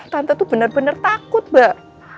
tante tuh bener bener takut mbak